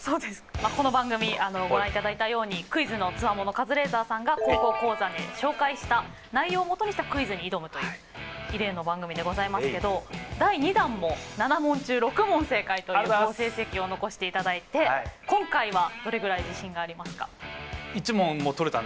まあこの番組ご覧いただいたようにクイズの強者カズレーザーさんが「高校講座」で紹介した内容をもとにしたクイズに挑むという異例の番組でございますけどという好成績を残していただいて今回はどれぐらい自信がありますか？